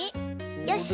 よし！